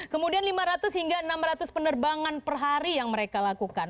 kemudian lima ratus hingga enam ratus penerbangan per hari yang mereka lakukan